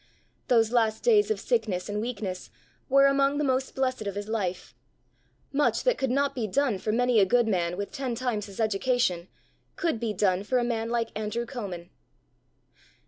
Those last days of sickness and weakness were among the most blessed of his life; much that could not be done for many a good man with ten times his education, could be done for a man like Andrew Comin.